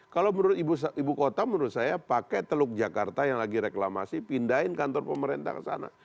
kalau menurut ibu kota menurut saya pakai teluk jakarta yang lagi reklamasi pindahin kantor pemerintah ke sana